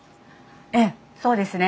ええそうですね。